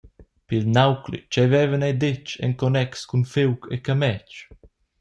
Pil naucli, tgei vevan ei detg en connex cun fiug e cametg?